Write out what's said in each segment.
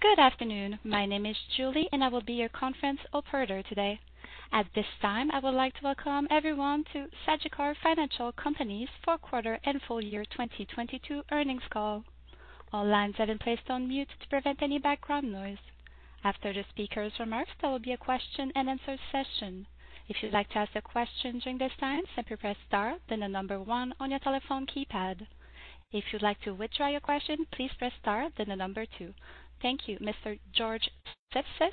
Good afternoon. My name is Julie, and I will be your conference operator today. At this time, I would like to welcome everyone to Sagicor Financial Company fourth quarter and full year 2022 earnings call. All lines have been placed on mute to prevent any background noise. After the speaker's remarks, there will be a question-and-answer session. If you'd like to ask a question during this time, simply press star, then one on your telephone keypad. If you'd like to withdraw your question, please press star, then two. Thank you. Mr. George Sipsis,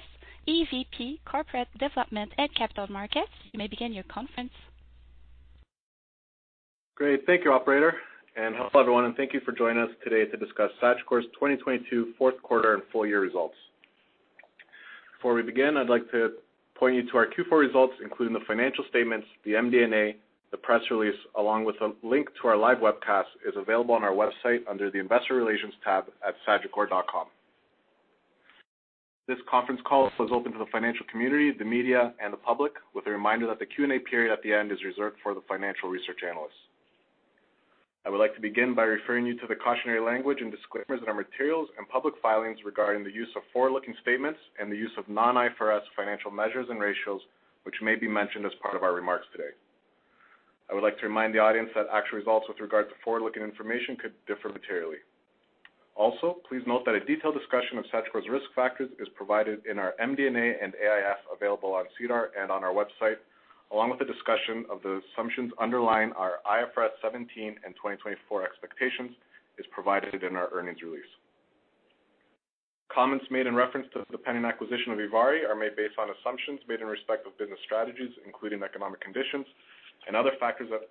EVP, Corporate Development and Capital Markets, you may begin your conference. Great. Thank you, operator. Hello, everyone, and thank you for joining us today to discuss Sagicor's 2022 fourth quarter and full year results. Before we begin, I'd like to point you to our Q4 results, including the financial statements, the MD&A, the press release, along with a link to our live webcast is available on our website under the Investor Relations tab at sagicor.com. This conference call is open to the financial community, the media, and the public, with a reminder that the Q&A period at the end is reserved for the financial research analysts. I would like to begin by referring you to the cautionary language and disclaimers in our materials and public filings regarding the use of forward-looking statements and the use of non-IFRS financial measures and ratios, which may be mentioned as part of our remarks today. I would like to remind the audience that actual results with regard to forward-looking information could differ materially. Please note that a detailed discussion of Sagicor's risk factors is provided in our MD&A and AIF available on SEDAR and on our website, along with a discussion of the assumptions underlying our IFRS 17 and 2024 expectations is provided in our earnings release. Comments made in reference to the pending acquisition of ivari are made based on assumptions made in respect of business strategies, including economic conditions and other factors that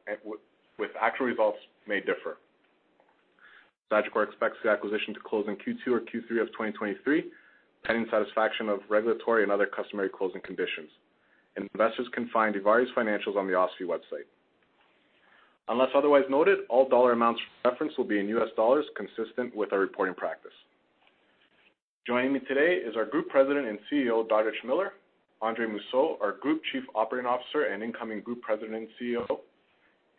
with actual results may differ. Sagicor expects the acquisition to close in Q2 or Q3 of 2023, pending satisfaction of regulatory and other customary closing conditions. Investors can find ivari's financials on the OSFI website. Unless otherwise noted, all dollar amounts referenced will be in US dollars consistent with our reporting practice. Joining me today is our Group President and CEO, Doddridge Miller, Andre Mousseau, our Group Chief Operating Officer and incoming Group President and CEO,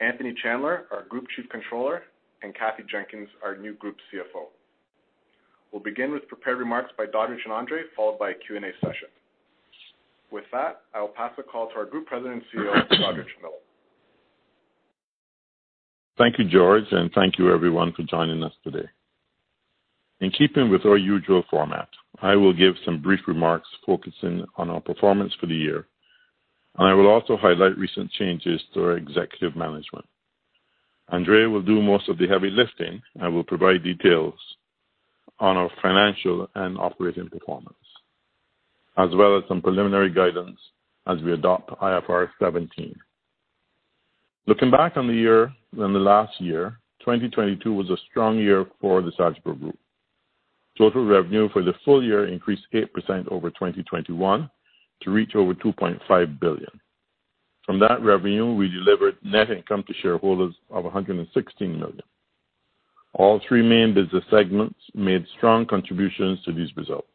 Anthony Chandler, our Group Chief Controller, and Kathy Jenkins, our new Group CFO. We'll begin with prepared remarks by Doddridge and Andre, followed by a Q&A session. With that, I will pass the call to our Group President and CEO, Doddridge Miller. Thank you, George, and thank you everyone for joining us today. In keeping with our usual format, I will give some brief remarks focusing on our performance for the year, and I will also highlight recent changes to our executive management. Andre will do most of the heavy lifting and will provide details on our financial and operating performance, as well as some preliminary guidance as we adopt IFRS 17. Looking back on last year, 2022 was a strong year for the Sagicor Group. Total revenue for the full year increased 8% over 2021 to reach over $2.5 billion. From that revenue, we delivered net income to shareholders of $116 million. All three main business segments made strong contributions to these results.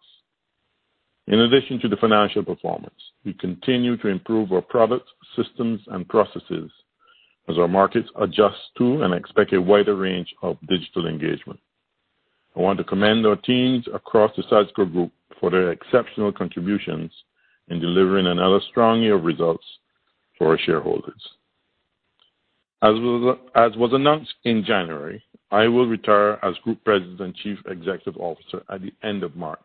In addition to the financial performance, we continue to improve our products, systems and processes as our markets adjust to and expect a wider range of digital engagement. I want to commend our teams across the Sagicor group for their exceptional contributions in delivering another strong year of results for our shareholders. As was announced in January, I will retire as Group President and Chief Executive Officer at the end of March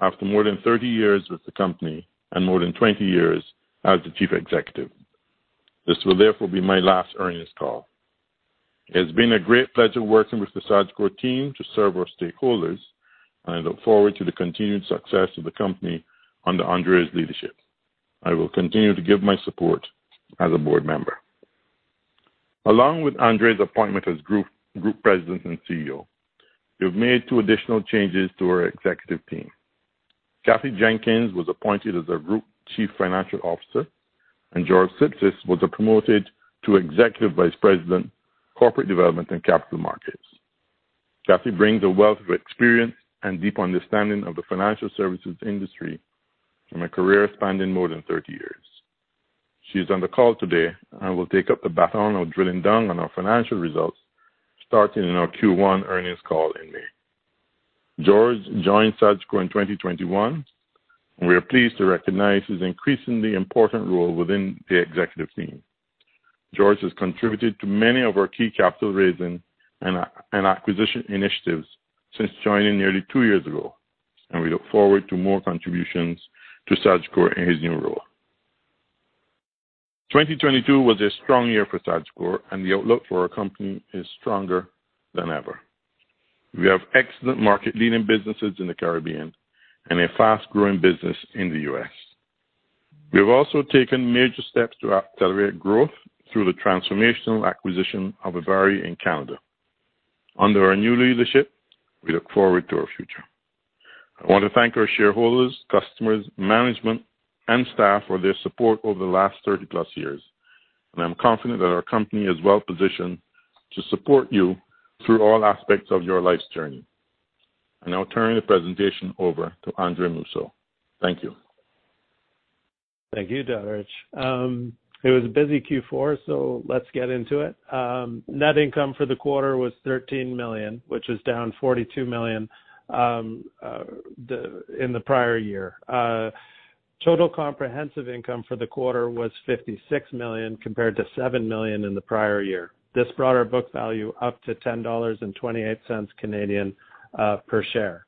after more than 30 years with the company and more than 20 years as the Chief Executive. This will therefore be my last earnings call. It's been a great pleasure working with the Sagicor team to serve our stakeholders, and I look forward to the continued success of the company under Andre's leadership. I will continue to give my support as a board member. Along with Andre's appointment as Group President and CEO, we've made two additional changes to our executive team. Kathryn Jenkins was appointed as the Group Chief Financial Officer. George Sipsis was promoted to Executive Vice President, Corporate Development and Capital Markets. Kathy brings a wealth of experience and deep understanding of the financial services industry from a career spanning more than 30 years. She is on the call today and will take up the baton of drilling down on our financial results, starting in our Q1 earnings call in May. George joined Sagicor in 2021. We are pleased to recognize his increasingly important role within the executive team. George has contributed to many of our key capital raising and acquisition initiatives since joining nearly two years ago. We look forward to more contributions to Sagicor in his new role. 2022 was a strong year for Sagicor, the outlook for our company is stronger than ever. We have excellent market-leading businesses in the Caribbean and a fast-growing business in the U.S. We have also taken major steps to accelerate growth through the transformational acquisition of ivari in Canada. Under our new leadership, we look forward to our future. I want to thank our shareholders, customers, management, and staff for their support over the last 30-plus years, I'm confident that our company is well positioned to support you through all aspects of your life's journey. I now turn the presentation over to Andre Mousseau. Thank you. Thank you, Doddridge. It was a busy Q4. Let's get into it. Net income for the quarter was $13 million, which was down $42 million, the, in the prior year. Total comprehensive income for the quarter was $56 million compared to $7 million in the prior year. This brought our book value up to 10.28 Canadian dollars per share.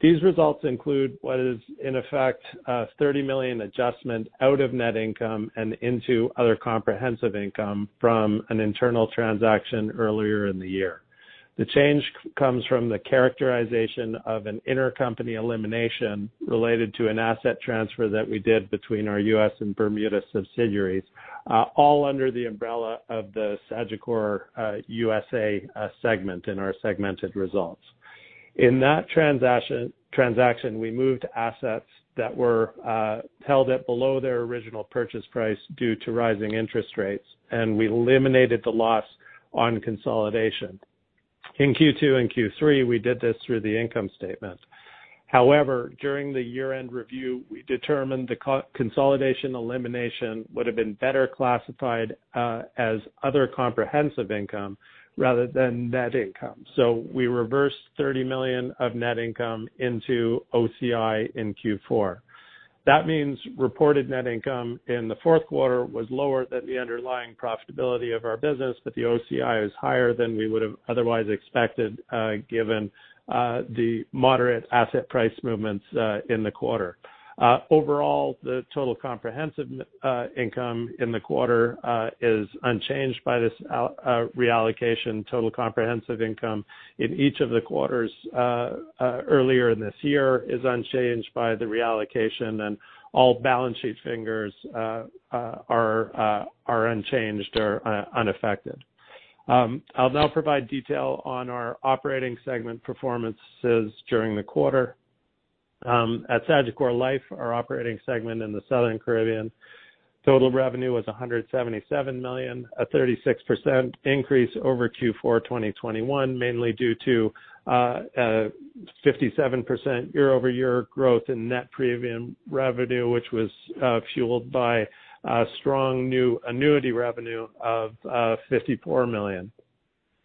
These results include what is, in effect, a $30 million adjustment out of net income and into other comprehensive income from an internal transaction earlier in the year. The change comes from the characterization of an intercompany elimination related to an asset transfer that we did between our U.S. and Bermuda subsidiaries, all under the umbrella of the Sagicor USA segment in our segmented results. In that transaction, we moved assets that were held at below their original purchase price due to rising interest rates, and we eliminated the loss on consolidation. In Q2 and Q3, we did this through the income statement. However, during the year-end review, we determined the co-consolidation elimination would have been better classified as other comprehensive income rather than net income. We reversed $30 million of net income into OCI in Q4. That means reported net income in the fourth quarter was lower than the underlying profitability of our business, but the OCI is higher than we would have otherwise expected, given the moderate asset price movements in the quarter. Overall, the total comprehensive income in the quarter is unchanged by this reallocation. Total comprehensive income in each of the quarters earlier this year is unchanged by the reallocation and all balance sheet figures are unchanged or unaffected. I'll now provide detail on our operating segment performances during the quarter. At Sagicor Life, our operating segment in the Southern Caribbean, total revenue was $177 million, a 36% increase over Q4 2021, mainly due to a 57% year-over-year growth in net premium revenue, which was fueled by strong new annuity revenue of $54 million.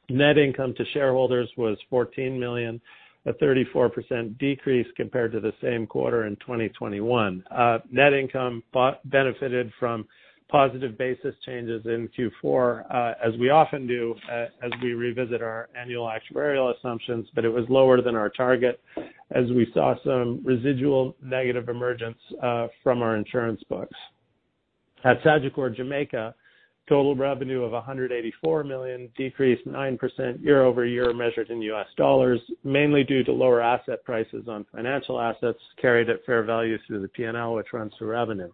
Net income to shareholders was $14 million, a 34% decrease compared to the same quarter in 2021. Net income benefited from positive basis changes in Q4, as we often do, as we revisit our annual actuarial assumptions, but it was lower than our target as we saw some residual negative emergence from our insurance books. At Sagicor Jamaica, total revenue of $184 million decreased 9% year-over-year measured in US dollars, mainly due to lower asset prices on financial assets carried at fair value through the P&L, which runs through revenue.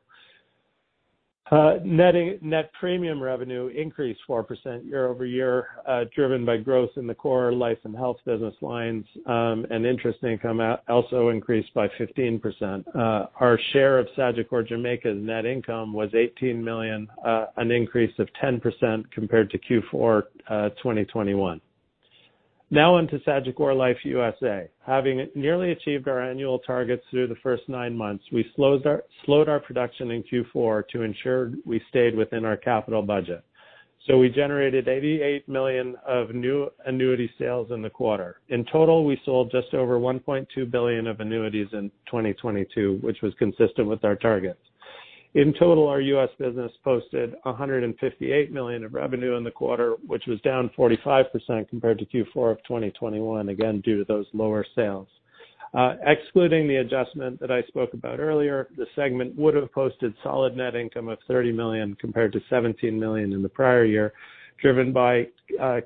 Net premium revenue increased 4% year-over-year, driven by growth in the core life and health business lines, and interest income also increased by 15%. Our share of Sagicor Jamaica's net income was $18 million, an increase of 10% compared to Q4 2021. Now on to Sagicor Life USA. Having nearly achieved our annual targets through the first nine months, we slowed our production in Q4 to ensure we stayed within our capital budget. We generated $88 million of new annuity sales in the quarter. In total, we sold just over $1.2 billion of annuities in 2022, which was consistent with our targets. In total, our U.S. business posted $158 million of revenue in the quarter, which was down 45% compared to Q4 of 2021, again due to those lower sales. Excluding the adjustment that I spoke about earlier, the segment would have posted solid net income of $30 million compared to $17 million in the prior year, driven by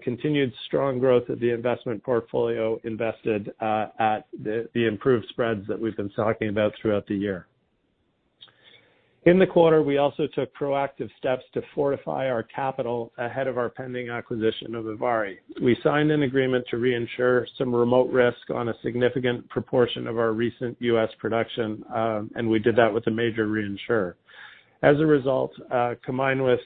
continued strong growth of the investment portfolio invested at the improved spreads that we've been talking about throughout the year. In the quarter, we also took proactive steps to fortify our capital ahead of our pending acquisition of ivari. We signed an agreement to reinsure some remote risk on a significant proportion of our recent U.S. production. We did that with a major reinsurer. As a result, combined with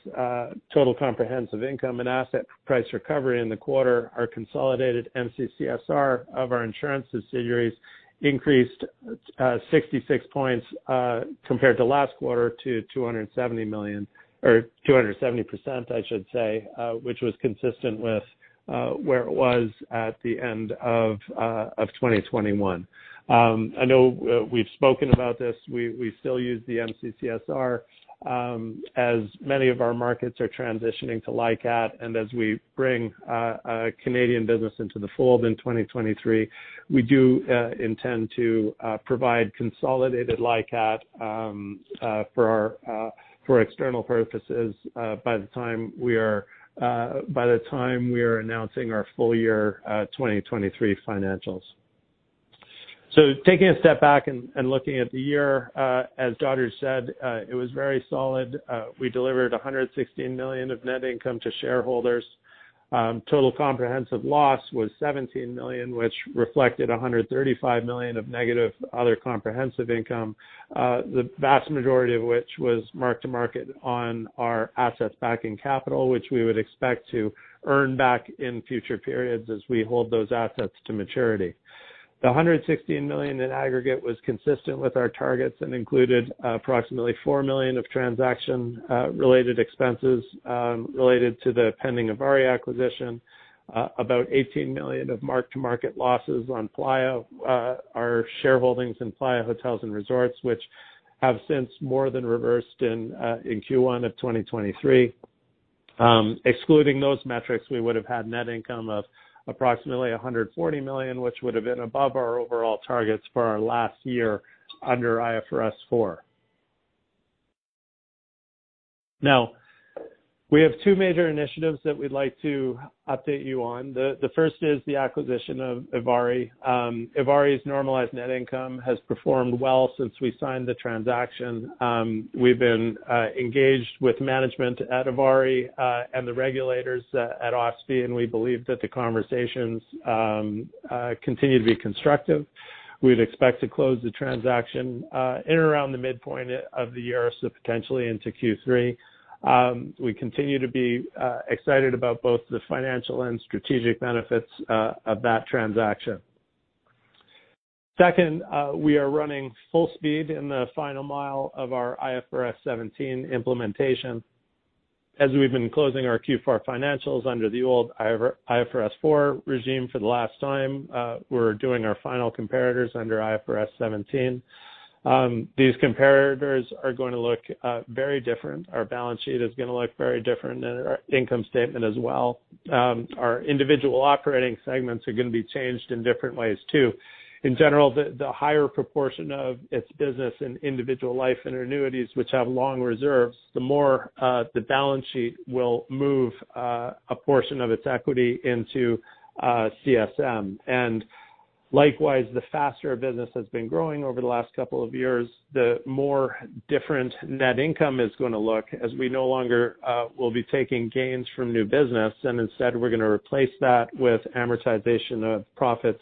total comprehensive income and asset price recovery in the quarter, our consolidated MCCSR of our insurance subsidiaries increased 66 points compared to last quarter to $270 million, or 270%, I should say, which was consistent with where it was at the end of 2021. I know we've spoken about this. We still use the MCCSR as many of our markets are transitioning to LICAT. As we bring Canadian business into the fold in 2023, we do intend to provide consolidated LICAT for our for external purposes by the time we are announcing our full year 2023 financials. Taking a step back and looking at the year, as Doddridge said, it was very solid. We delivered $116 million of net income to shareholders. Total comprehensive loss was $17 million, which reflected $135 million of negative other comprehensive income, the vast majority of which was mark-to-market on our assets backing capital, which we would expect to earn back in future periods as we hold those assets to maturity. The $116 million in aggregate was consistent with our targets and included approximately $4 million of transaction related expenses, related to the pending ivari acquisition, about $18 million of mark-to-market losses on Playa, our shareholdings in Playa Hotels & Resorts, which have since more than reversed in Q1 of 2023. Excluding those metrics, we would have had net income of approximately $140 million, which would have been above our overall targets for our last year under IFRS 4. We have two major initiatives that we'd like to update you on. The first is the acquisition of ivari. ivari's normalized net income has performed well since we signed the transaction. We've been engaged with management at ivari and the regulators at OSFI, we believe that the conversations continue to be constructive. We'd expect to close the transaction in around the midpoint of the year, so potentially into Q3. We continue to be excited about both the financial and strategic benefits of that transaction. Second, we are running full speed in the final mile of our IFRS 17 implementation. As we've been closing our Q4 financials under the old IFRS 4 regime for the last time, we're doing our final comparators under IFRS 17. These comparators are gonna look very different. Our balance sheet is gonna look very different and our income statement as well. Our individual operating segments are gonna be changed in different ways too. In general, the higher proportion of its business in individual life and annuities, which have long reserves, the more the balance sheet will move a portion of its equity into CSM. Likewise, the faster a business has been growing over the last couple of years, the more different net income is gonna look as we no longer will be taking gains from new business. Instead, we're gonna replace that with amortization of profits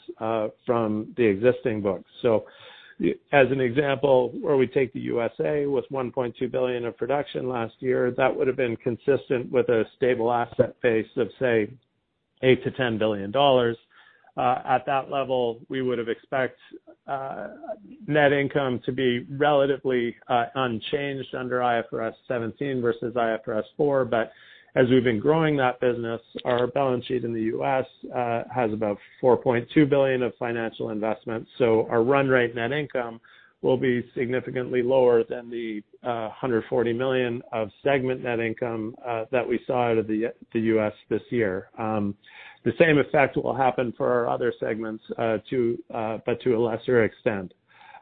from the existing books. As an example where we take the USA with $1.2 billion of production last year, that would have been consistent with a stable asset base of, say, $8 billion-$10 billion. At that level, we would have expect net income to be relatively unchanged under IFRS 17 versus IFRS 4. As we've been growing that business, our balance sheet in the US has about $4.2 billion of financial investment. Our run rate net income will be significantly lower than the $140 million of segment net income that we saw out of the US this year. The same effect will happen for our other segments, to, but to a lesser extent.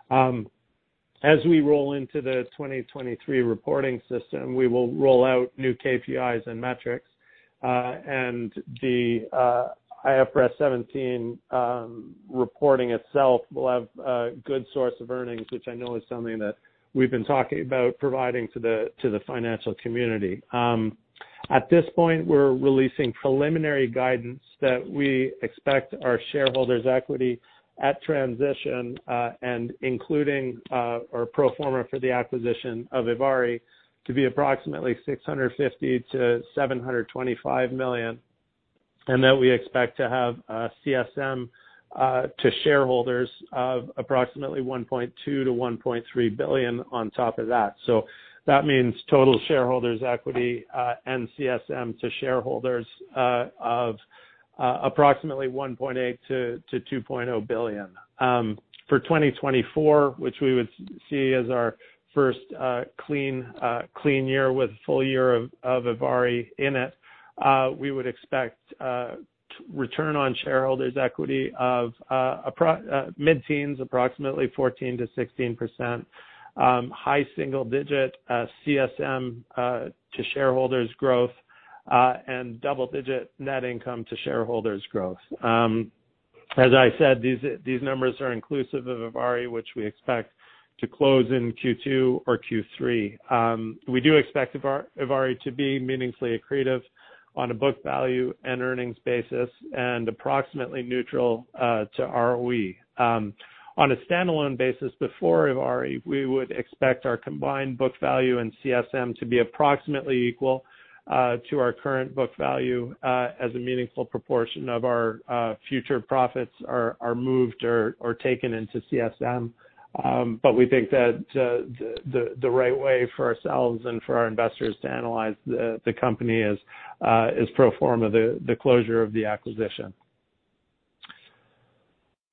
As we roll into the 2023 reporting system, we will roll out new KPIs and metrics, and the IFRS 17 reporting itself will have a good source of earnings, which I know is something that we've been talking about providing to the financial community. At this point, we're releasing preliminary guidance that we expect our shareholders' equity at transition and including our pro forma for the acquisition of ivari to be approximately $650 million-$725 million, and that we expect to have CSM to shareholders of approximately $1.2 billion-$1.3 billion on top of that. That means total shareholders equity and CSM to shareholders of approximately $1.8 billion-$2.0 billion. For 2024, which we would see as our first clean year with full year of ivari in it, we would expect return on shareholders' equity of mid-teens, approximately 14%-16%, high single digit CSM to shareholders' growth, and double digit net income to shareholders' growth. As I said, these numbers are inclusive of ivari, which we expect to close in Q2 or Q3. We do expect ivari to be meaningfully accretive on a book value and earnings basis and approximately neutral to ROE. On a standalone basis before ivari, we would expect our combined book value and CSM to be approximately equal to our current book value, as a meaningful proportion of our future profits are moved or taken into CSM. We think that the right way for ourselves and for our investors to analyze the company is pro forma the closure of the acquisition.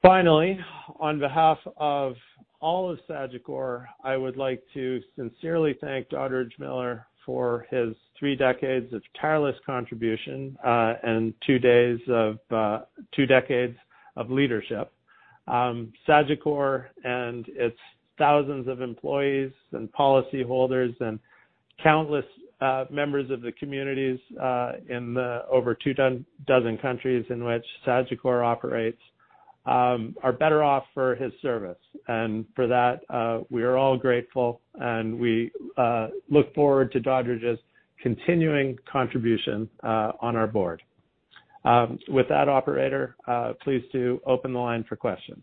Finally, on behalf of all of Sagicor, I would like to sincerely thank Doddridge Miller for his three decades of tireless contribution and two decades of leadership. Sagicor and its thousands of employees and policyholders and countless members of the communities in the over two dozen countries in which Sagicor operates are better off for his service. For that, we are all grateful, and we look forward to Doddridge's continuing contribution on our board. With that, operator, please do open the line for questions.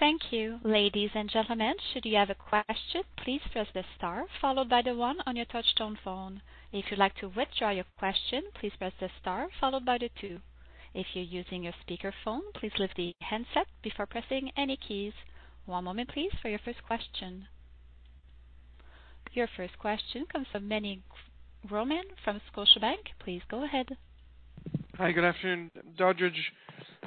Thank you. Ladies and gentlemen, should you have a question, please press the star followed by the one on your touch-tone phone. If you'd like to withdraw your question, please press the star followed by the two. If you're using a speakerphone, please lift the handset before pressing any keys. One moment please for your first question. Your first question comes from Meny Grauman from Scotiabank. Please go ahead. Hi, good afternoon, Doddridge.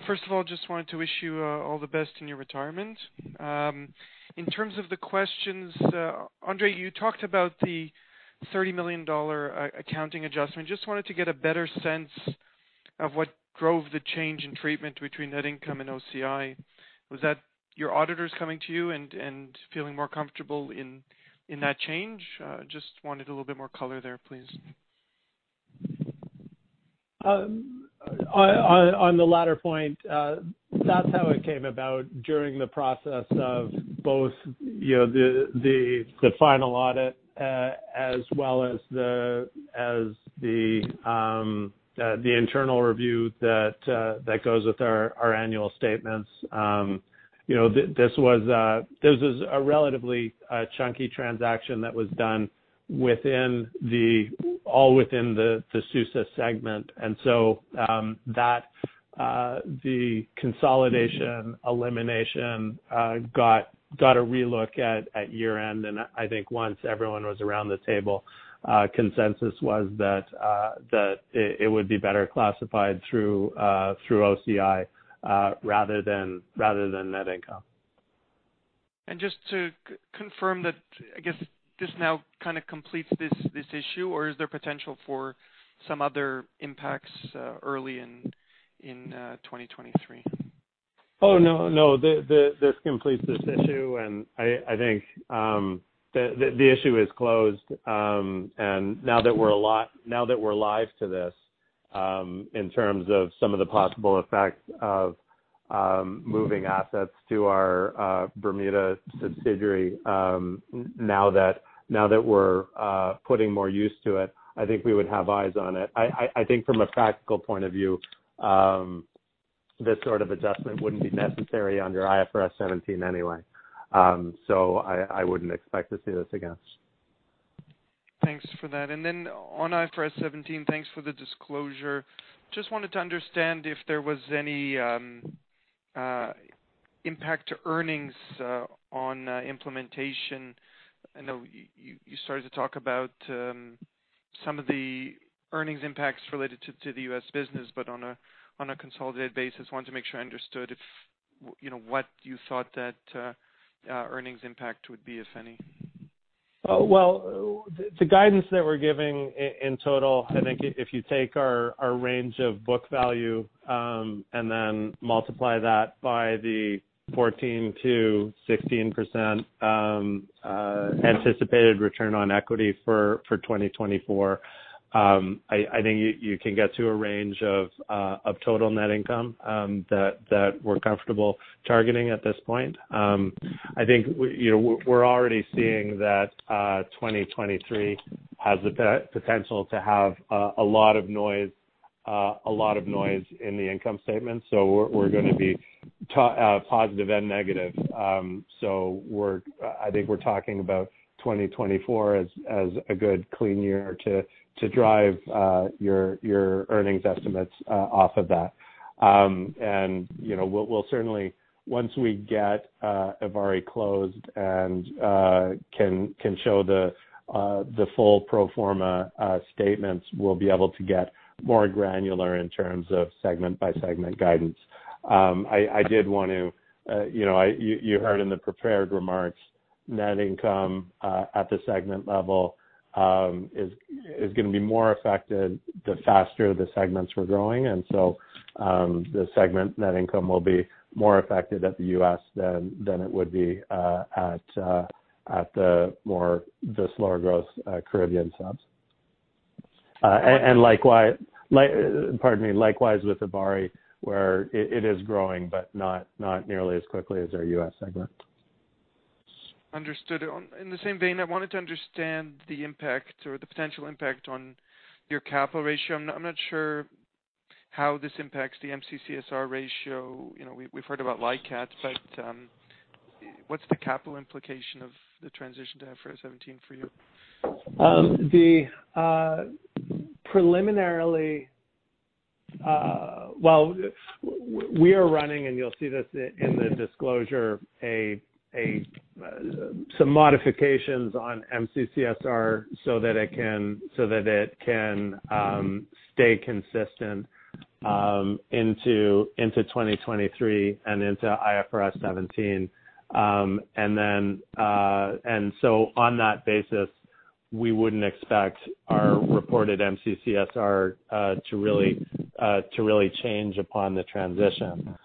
First of all, just wanted to wish you all the best in your retirement. In terms of the questions, Andre, you talked about the $30 million accounting adjustment. Just wanted to get a better sense of what drove the change in treatment between net income and OCI. Was that your auditors coming to you and feeling more comfortable in that change? Just wanted a little bit more color there, please. On the latter point, that's how it came about during the process of both, you know, the final audit, as well as the internal review that goes with our annual statements. You know, this was, this is a relatively chunky transaction that was done all within the U.S. segment. That the consolidation elimination got a relook at year-end, and I think once everyone was around the table, consensus was that it would be better classified through OCI, rather than net income. Just to confirm that, I guess this now kind of completes this issue, or is there potential for some other impacts early in 2023? No. This completes this issue. I think the issue is closed. Now that we're live to this, in terms of some of the possible effects of moving assets to our Bermuda subsidiary, now that we're putting more use to it, I think we would have eyes on it. I think from a practical point of view, this sort of adjustment wouldn't be necessary under IFRS 17 anyway, I wouldn't expect to see this again. Thanks for that. On IFRS 17, thanks for the disclosure. Just wanted to understand if there was any impact to earnings on implementation. I know you started to talk about some of the earnings impacts related to the U.S. business, but on a consolidated basis. Wanted to make sure I understood if, you know, what you thought that earnings impact would be, if any. Well, the guidance that we're giving in total, I think if you take our range of book value, and then multiply that by the 14%-16% anticipated return on equity for 2024, I think you can get to a range of total net income that we're comfortable targeting at this point. I think we, you know, we're already seeing that 2023 has the potential to have a lot of noise, a lot of noise in the income statement. We're gonna be positive and negative. I think we're talking about 2024 as a good clean year to drive your earnings estimates off of that. You know, we'll certainly, once we get ivari closed and can show the full pro forma statements, we'll be able to get more granular in terms of segment by segment guidance. I did want to, you know, you heard in the prepared remarks net income at the segment level is gonna be more affected the faster the segments we're growing. The segment net income will be more affected at the U.S. than it would be at the more, the slower growth Caribbean subs. Likewise, pardon me, likewise with ivari, where it is growing, but not nearly as quickly as our U.S. segment. Understood. In the same vein, I wanted to understand the impact or the potential impact on your capital ratio. I'm not sure how this impacts the MCCSR ratio. You know, we've heard about LICAT, but what's the capital implication of the transition to IFRS 17 for you? Preliminarily, we are running, and you'll see this in the disclosure, some modifications on MCCSR so that it can stay consistent into 2023 and into IFRS 17. On that basis, we wouldn't expect our reported MCCSR to really change upon the transition.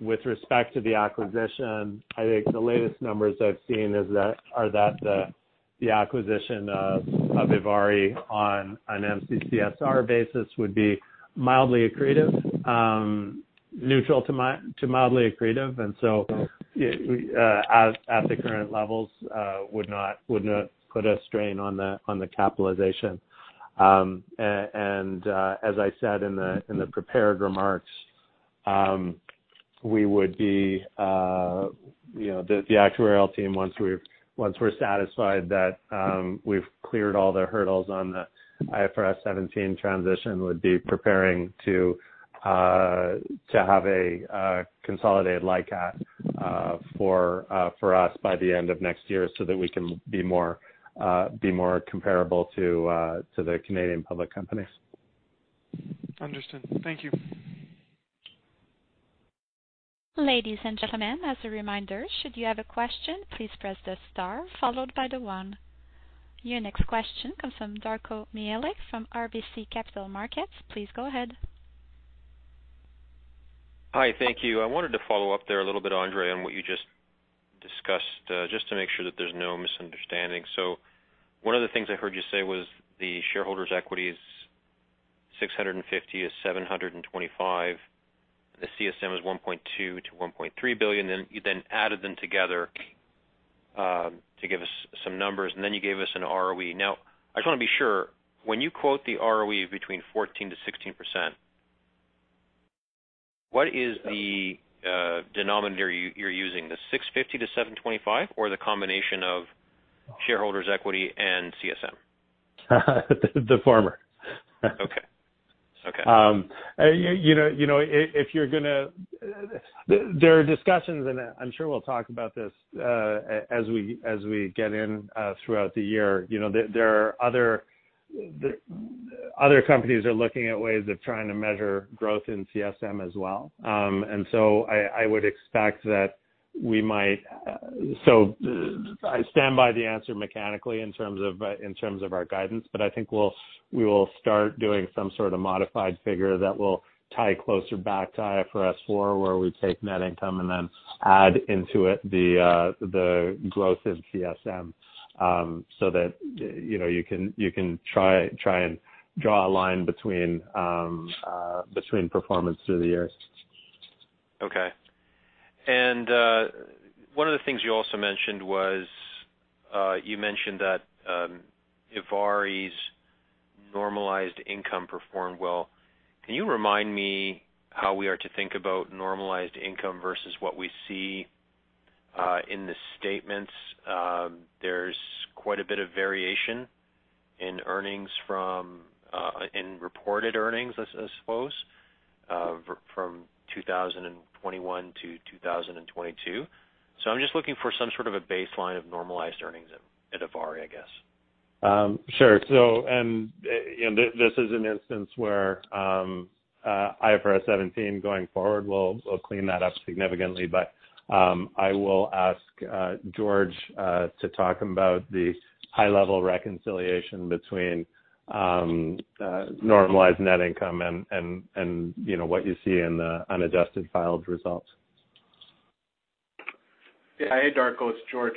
With respect to the acquisition, I think the latest numbers I've seen are that the acquisition of ivari on an MCCSR basis would be mildly accretive, neutral to mildly accretive. At the current levels, would not put a strain on the capitalization. And as I said in the prepared remarks, we would be, you know, the actuarial team, once we're satisfied that we've cleared all the hurdles on the IFRS 17 transition, would be preparing to have a consolidated LICAT for us by the end of next year so that we can be more comparable to the Canadian public companies. Understood. Thank you. Ladies and gentlemen, as a reminder, should you have a question, please press the star followed by the one. Your next question comes from Darko Mihelic from RBC Capital Markets. Please go ahead. Hi. Thank you. I wanted to follow up there a little bit, Andre, on what you just discussed, just to make sure that there's no misunderstanding. One of the things I heard you say was the shareholders' equity is $650-$725. The CSM is $1.2 billion-$1.3 billion. You then added them together, to give us some numbers, and then you gave us an ROE. I just want to be sure. When you quote the ROE between 14%-16%, what is the denominator you're using? The $650-$725 or the combination of shareholders' equity and CSM? The former. Okay. Okay. There are discussions, I'm sure we'll talk about this as we get in throughout the year. You know, there are other companies are looking at ways of trying to measure growth in CSM as well. I would expect that we might. I stand by the answer mechanically in terms of our guidance. I think we will start doing some sort of modified figure that will tie closer back to IFRS 4, where we take net income and then add into it the growth in CSM, that, you know, you can try and draw a line between performance through the years. Okay. One of the things you also mentioned was, you mentioned that ivari's normalized income performed well. Can you remind me how we are to think about normalized income versus what we see in the statements? There's quite a bit of variation in earnings from in reported earnings, I suppose, from 2021 to 2022. I'm just looking for some sort of a baseline of normalized earnings at ivari, I guess. Sure. You know, this is an instance where, IFRS 17 going forward will clean that up significantly. I will ask George to talk about the high-level reconciliation between normalized net income and, you know, what you see in the unadjusted filed results. Yeah. Hey, Darko, it's George.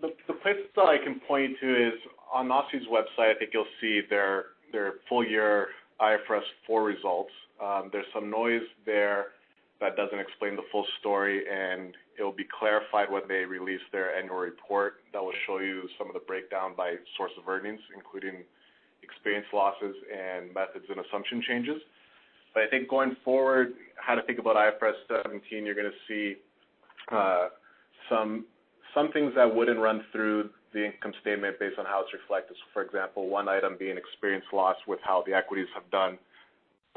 The place that I can point you to is on OSFI's website, I think you'll see their full year IFRS 4 results. There's some noise there that doesn't explain the full story, and it'll be clarified when they release their annual report that will show you some of the breakdown by source of earnings, including experience losses and methods and assumption changes. I think going forward, how to think about IFRS 17, you're gonna see some things that wouldn't run through the income statement based on how it's reflected. For example, one item being experience loss with how the equities have done,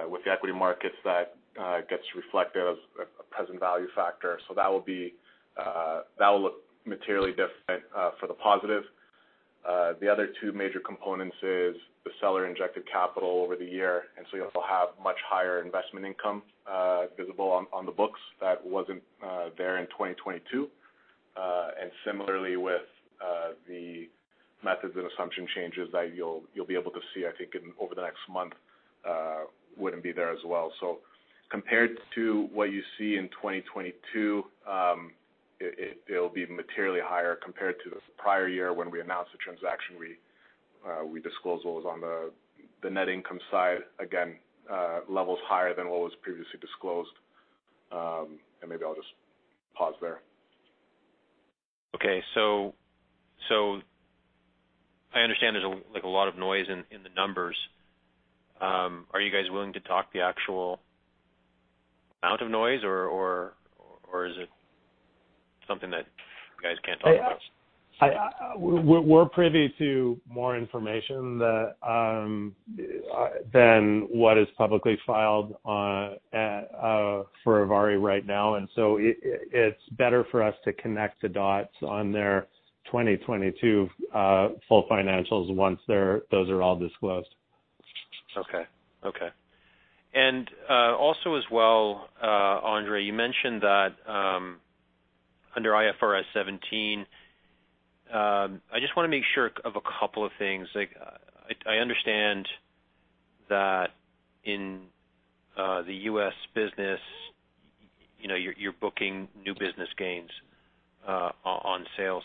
with the equity markets that gets reflected as a present value factor. That will be that will look materially different for the positive. The other two major components is the seller-injected capital over the year. You'll still have much higher investment income, visible on the books that wasn't, there in 2022. Similarly with, the methods and assumption changes that you'll be able to see, I think over the next month, wouldn't be there as well. Compared to what you see in 2022, it will be materially higher compared to the prior year when we announced the transaction we disclosed what was on the net income side, again, levels higher than what was previously disclosed. Maybe I'll just pause there. I understand there's a lot of noise in the numbers. Are you guys willing to talk the actual amount of noise or is it something that you guys can't talk about? We're privy to more information that than what is publicly filed for ivari right now. It's better for us to connect the dots on their 2022 full financials once those are all disclosed. Okay. Okay. Also as well, Andre, you mentioned that under IFRS 17, I just wanna make sure of a couple of things. Like I understand that in the U.S. business, you know, you're booking new business gains on sales.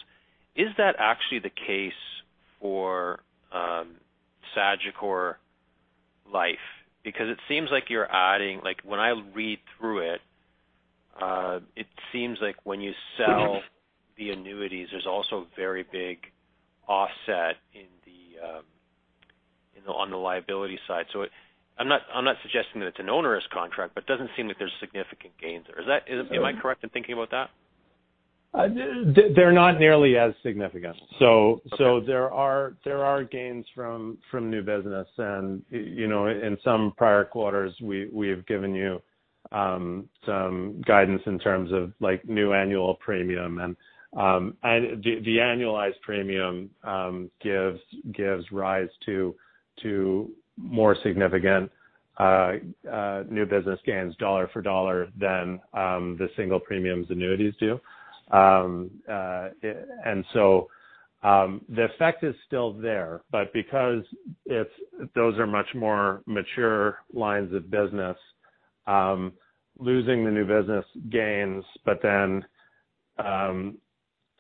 Is that actually the case for Sagicor Life? It seems like when I read through it seems like when you sell the annuities, there's also a very big offset on the liability side. I'm not suggesting that it's an onerous contract, but it doesn't seem that there's significant gains there. Am I correct in thinking about that? They're not nearly as significant. There are gains from new business. You know, in some prior quarters, we have given you some guidance in terms of like new annual premium. The annualized premium gives rise to more significant new business gains dollar for dollar than the single premiums annuities do. The effect is still there, but because if those are much more mature lines of business, losing the new business gains, but then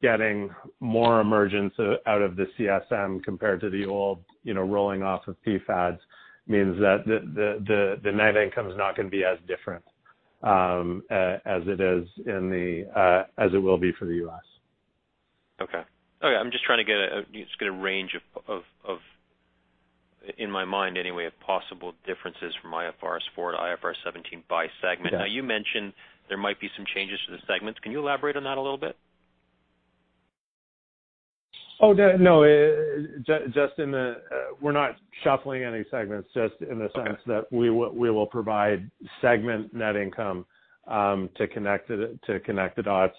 getting more emergence out of the CSM compared to the old, you know, rolling off of PfADs means that the net income is not gonna be as different as it is in the as it will be for the U.S. Okay. Okay. I'm just trying to get a range of, in my mind anyway, of possible differences from IFRS 4 to IFRS 17 by segment. Yeah. You mentioned there might be some changes to the segments. Can you elaborate on that a little bit? No, just in the sense that we will provide segment net income to connect the dots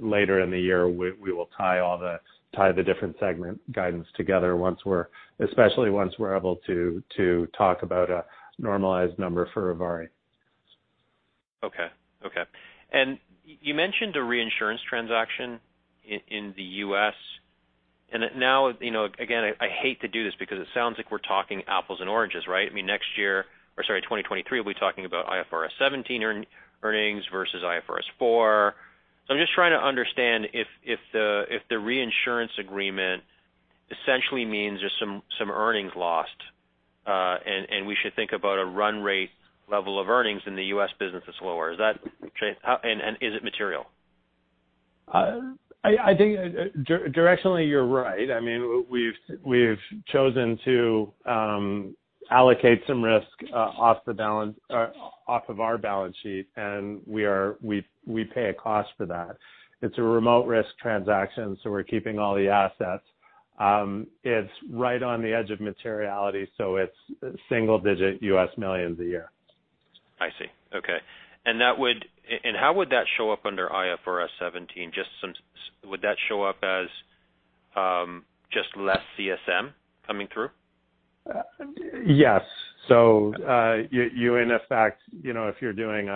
later in the year, we will tie the different segment guidance together especially once we're able to talk about a normalized number for ivari. Okay. Okay. You mentioned a reinsurance transaction in the US. Now, you know, again, I hate to do this because it sounds like we're talking apples and oranges, right? I mean, next year or, sorry, 2023, we'll be talking about IFRS 17 earnings versus IFRS 4. I'm just trying to understand if the reinsurance agreement essentially means there's some earnings lost, and we should think about a run rate level of earnings in the US business is lower. Is that true? How and is it material? I think directionally, you're right. I mean, we've chosen to allocate some risk off of our balance sheet. We pay a cost for that. It's a remote risk transaction, so we're keeping all the assets. It's right on the edge of materiality, so it's single digit $ millions a year. I see. Okay. How would that show up under IFRS 17? Would that show up as just less CSM coming through? Yes. You in effect, you know, if you're doing,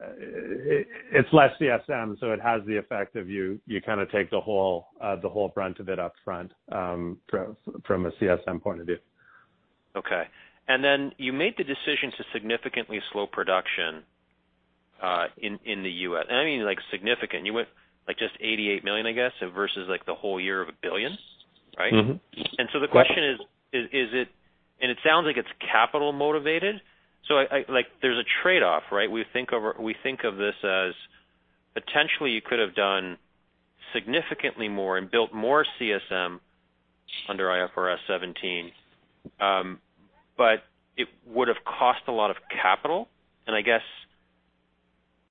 it's less CSM, so it has the effect of you kinda take the whole brunt of it upfront, from a CSM point of view. You made the decision to significantly slow production in the US. I mean, like, significant, you went, like, just $88 million, I guess, versus, like, the whole year of $1 billion, right? Mm-hmm. The question is, it sounds like it's capital motivated. Like, there's a trade-off, right? We think of this as potentially you could have done significantly more and built more CSM under IFRS 17, it would have cost a lot of capital. I guess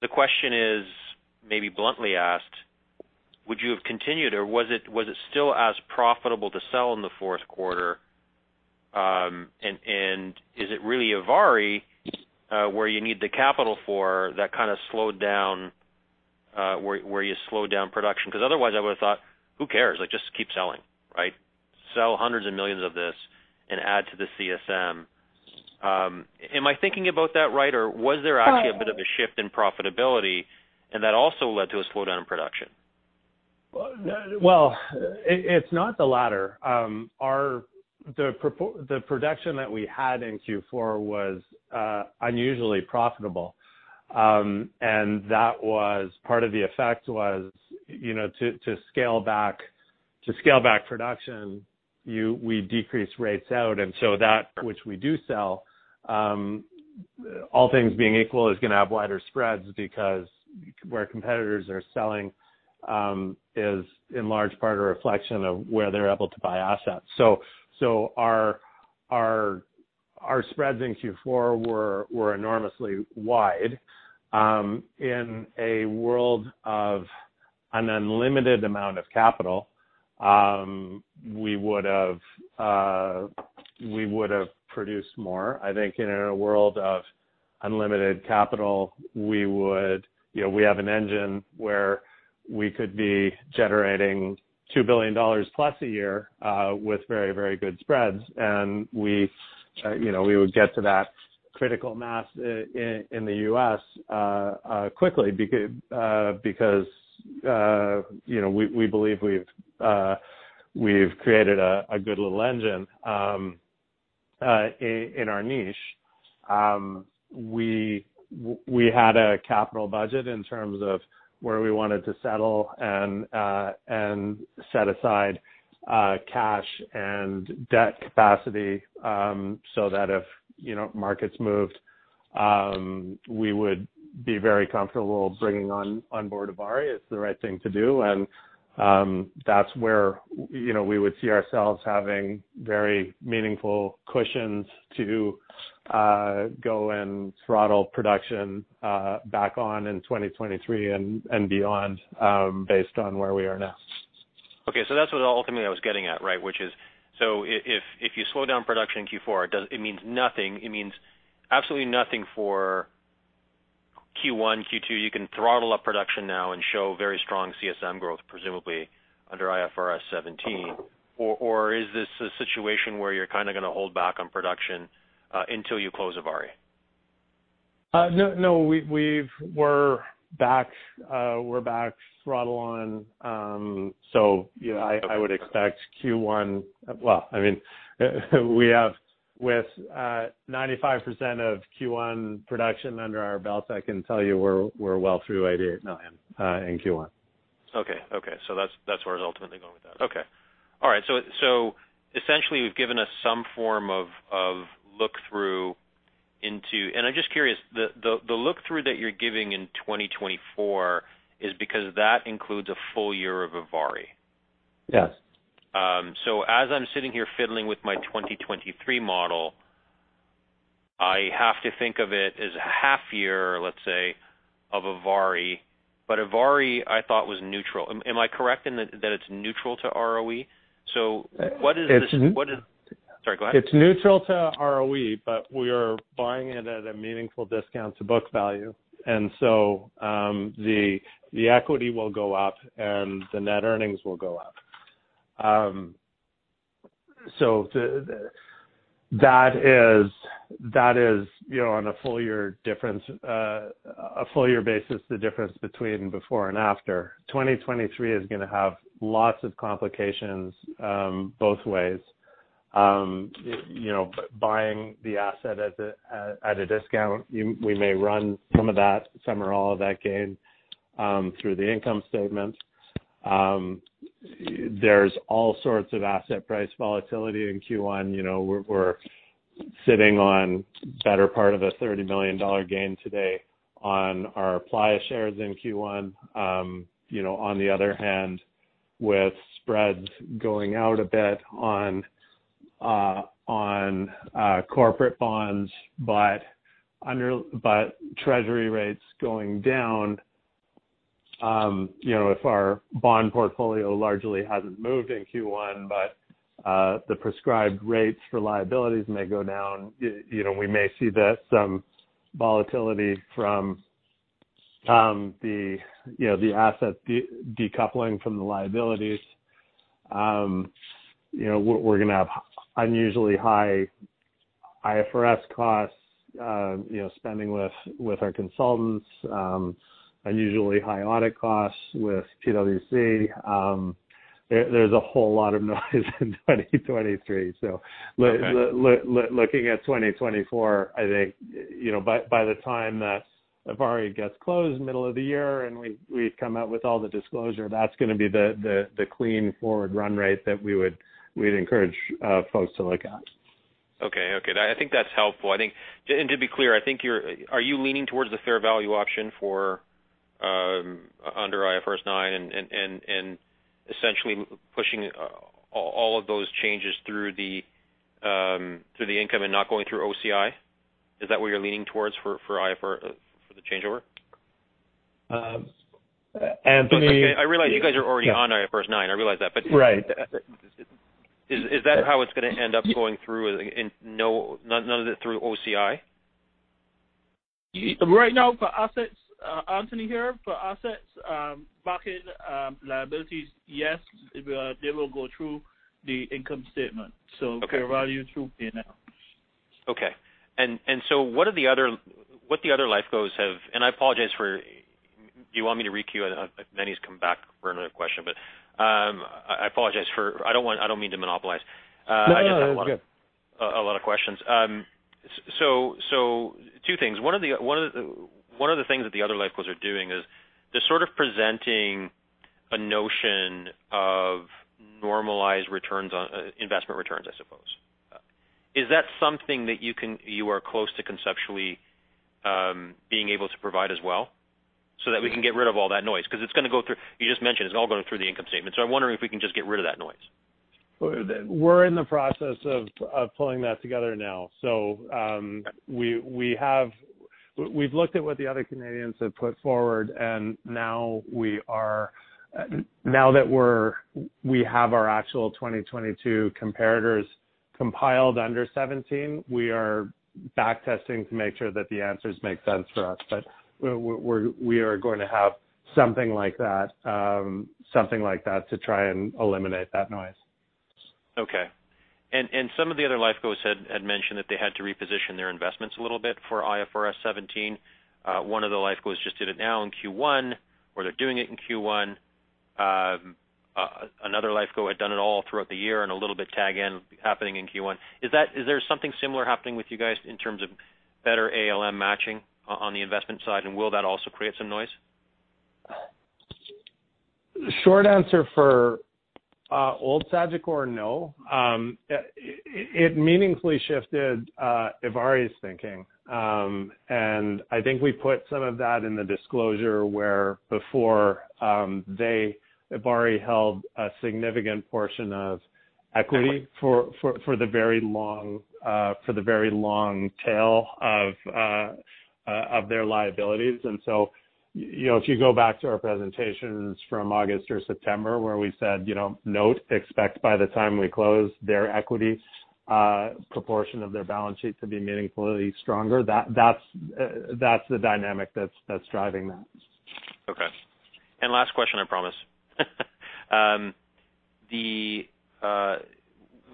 the question is maybe bluntly asked, would you have continued or was it still as profitable to sell in the fourth quarter? Is it really ivari, where you need the capital for that kinda slowed down, where you slowed down production? Otherwise I would have thought, who cares? Like, just keep selling, right? Sell hundreds of millions of dollars of this and add to the CSM. Am I thinking about that right, or was there actually a bit of a shift in profitability and that also led to a slowdown in production? It's not the latter. The production that we had in Q4 was unusually profitable. That was part of the effect was, you know, to scale back production, we decrease rates out. That which we do sell, all things being equal, is gonna have wider spreads because where competitors are selling is in large part a reflection of where they're able to buy assets. Our spreads in Q4 were enormously wide. In a world of an unlimited amount of capital, we would have produced more. I think in a world of unlimited capital, we would, you know, we have an engine where we could be generating $2 billion+ a year with very, very good spreads. We, you know, we would get to that critical mass in the U.S., quickly because, you know, we believe we've created a good little engine in our niche. We, we had a capital budget in terms of where we wanted to settle and set aside cash and debt capacity, so that if, you know, markets moved. We would be very comfortable bringing on board ivari. It's the right thing to do. That's where, you know, we would see ourselves having very meaningful cushions to go and throttle production back on in 2023 and beyond, based on where we are now. Okay. That's what ultimately I was getting at, right? Which is, if you slow down production in Q4, it means absolutely nothing for Q1, Q2. You can throttle up production now and show very strong CSM growth, presumably under IFRS 17. Is this a situation where you're kinda gonna hold back on production until you close ivari? No, no. We're back throttle on. You know, I would expect Q1. Well, I mean, we have with 95% of Q1 production under our belt, I can tell you we're well through $88 million in Q1. Okay. Okay. That's where it's ultimately going with that. Okay. All right. Essentially you've given us some form of look-through into... I'm just curious, the look-through that you're giving in 2024 is because that includes a full year of ivari. Yes. As I'm sitting here fiddling with my 2023 model, I have to think of it as a half year, let's say, of ivari. Ivari, I thought, was neutral. Am I correct in that it's neutral to ROE? What is this? It's n- What is... Sorry, go ahead. It's neutral to ROE. We are buying it at a meaningful discount to book value. The equity will go up and the net earnings will go up. That is, you know, on a full year difference, a full year basis, the difference between before and after. 2023 is gonna have lots of complications, both ways. You know, buying the asset at a discount, we may run some of that, some or all of that gain through the income statement. There's all sorts of asset price volatility in Q1. You know, we're sitting on better part of a $30 million gain today on our Playa shares in Q1. you know, on the other hand, with spreads going out a bit on corporate bonds, but treasury rates going down, you know, if our bond portfolio largely hasn't moved in Q1, but the prescribed rates for liabilities may go down, you know, we may see that some volatility from the, you know, the asset decoupling from the liabilities. you know, we're gonna have unusually high IFRS costs, you know, spending with our consultants, unusually high audit costs with PwC. There, there's a whole lot of noise in 2023. looking at 2024, I think by the time that ivari gets closed middle of the year and we've come out with all the disclosure, that's gonna be the, the clean forward run rate that we'd encourage folks to look at. Okay. Okay. I think that's helpful. I think... To be clear, I think Are you leaning towards the fair value option for under IFRS 9 and essentially pushing all of those changes through the through the income and not going through OCI? Is that what you're leaning towards for for the changeover? Anthony- I realize you guys are already on IFRS 9. I realize that. Right. Is that how it's gonna end up going through in none of it through OCI? Right now for assets, Anthony here. For assets, market, liabilities, yes. They will go through the income statement. Okay. Fair value through P&L. Okay. What the other life cos have... I apologize for... Do you want me to requeue? Meny come back for another question, but, I apologize for I don't mean to monopolize. No, no. It's good. I just have a lot of questions. Two things. One of the things that the other life cos are doing is they're sort of presenting a notion of normalized returns on investment returns, I suppose. Is that something that you are close to conceptually being able to provide as well so that we can get rid of all that noise? 'Cause it's all going through the income statement, so I'm wondering if we can just get rid of that noise. We're in the process of pulling that together now. We've looked at what the other Canadians have put forward and now that we have our actual 2022 comparators compiled under 17, we are back testing to make sure that the answers make sense for us. We are going to have something like that, something like that to try and eliminate that noise. Okay. And some of the other life cos had mentioned that they had to reposition their investments a little bit for IFRS 17. One of the life cos just did it now in Q1, or they're doing it in Q1. Another life co had done it all throughout the year and a little bit tag in happening in Q1. Is there something similar happening with you guys in terms of better ALM matching on the investment side? Will that also create some noise? Short answer for old Sagicor, no. It meaningfully shifted ivari's thinking. I think we put some of that in the disclosure where before ivari held a significant portion of equity for the very long tail of their liabilities. You know, if you go back to our presentations from August or September where we said, you know, note, expect by the time we close their equity proportion of their balance sheet to be meaningfully stronger, that's the dynamic that's driving that. Okay. Last question, I promise.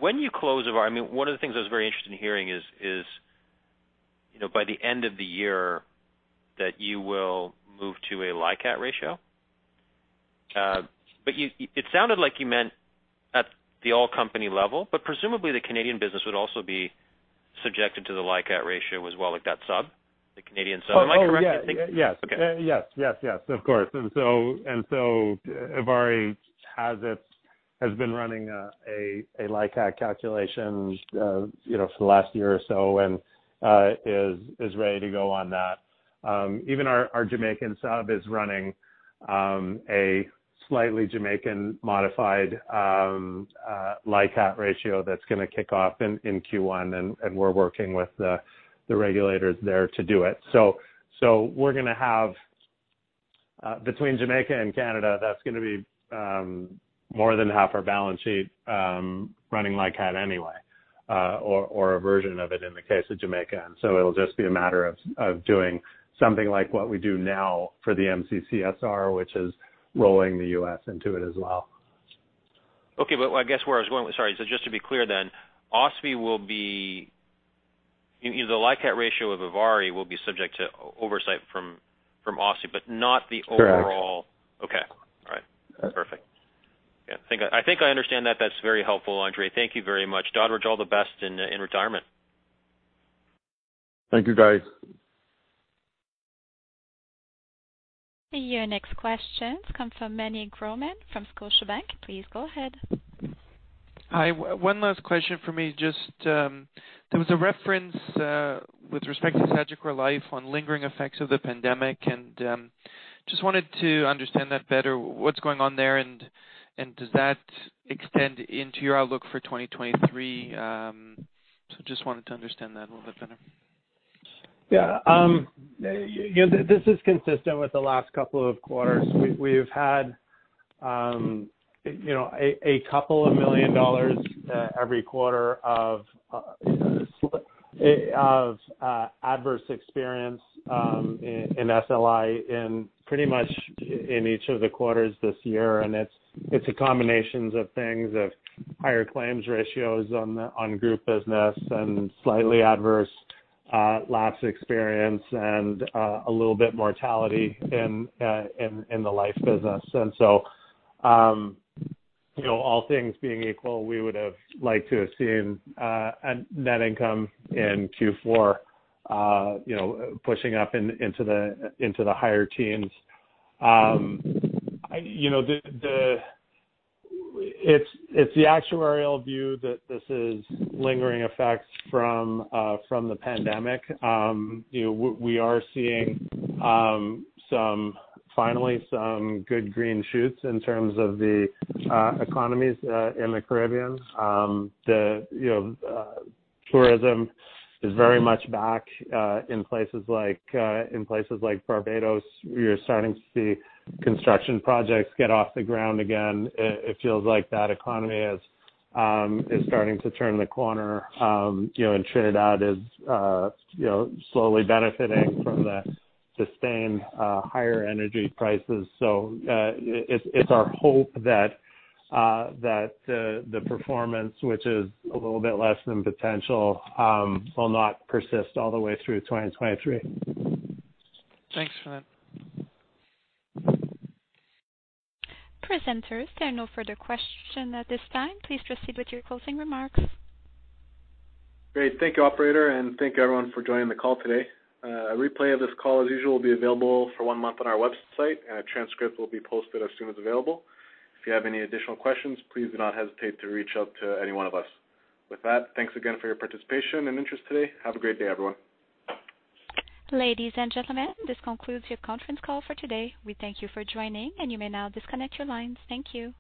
When you close ivari... I mean, one of the things I was very interested in hearing is, you know, by the end of the year that you will move to a LICAT ratio. It sounded like you meant at the all company level. Presumably the Canadian business would also be subjected to the LICAT ratio as well at that sub, the Canadian sub. Am I correct to think- Oh, yeah. Yes. Okay. Yes, yes, of course. Ivari has been running a LICAT calculation, you know, for the last year or so and is ready to go on that. Even our Jamaican sub is running a slightly Jamaican modified LICAT ratio that's gonna kick off in Q1, and we're working with the regulators there to do it. We're gonna have between Jamaica and Canada, that's gonna be more than half our balance sheet running LICAT anyway, or a version of it in the case of Jamaica. It'll just be a matter of doing something like what we do now for the MCCSR, which is rolling the US into it as well. Okay. I guess where I was going with... Sorry, just to be clear, the LICAT ratio of ivari will be subject to oversight from OSFI, but not the overall... Correct. Okay. All right. Yeah. Perfect. Yeah, I think I understand that. That's very helpful, Andre. Thank you very much. Doddridge, all the best in retirement. Thank you, guys. Your next questions comes from Meny Grauman from Scotiabank. Please go ahead. Hi, one last question for me. Just, there was a reference with respect to Sagicor Life on lingering effects of the pandemic, and just wanted to understand that better. What's going on there, and does that extend into your outlook for 2023? Just wanted to understand that a little bit better. Yeah, this is consistent with the last couple of quarters. We've had, you know, a $2 million every quarter of adverse experience in SLI in pretty much each of the quarters this year. It's a combinations of things of higher claims ratios on group business and slightly adverse lapse experience and a little bit mortality in the life business. You know, all things being equal, we would have liked to have seen a net income in Q4, you know, pushing up into the higher teens. You know, it's the actuarial view that this is lingering effects from the pandemic. You know, we are seeing some, finally some good green shoots in terms of the economies in the Caribbean. The tourism is very much back in places like Barbados. We are starting to see construction projects get off the ground again. It feels like that economy is starting to turn the corner. You know, Trinidad is slowly benefiting from the sustained higher energy prices. It's our hope that the performance, which is a little bit less than potential, will not persist all the way through 2023. Thanks for that. Presenters, there are no further question at this time. Please proceed with your closing remarks. Great. Thank you, operator, and thank you everyone for joining the call today. A replay of this call, as usual, will be available for 1 month on our website, and a transcript will be posted as soon as available. If you have any additional questions, please do not hesitate to reach out to anyone of us. With that, thanks again for your participation and interest today. Have a great day, everyone. Ladies and gentlemen, this concludes your conference call for today. We thank you for joining, and you may now disconnect your lines. Thank you.